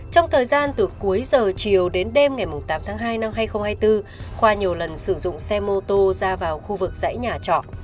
trong thời gian từ cuối giờ chiều đến đêm ngày tám tháng hai năm hai nghìn hai mươi bốn khoa nhiều lần sử dụng xe mô tô ra vào khu vực dãy nhà trọ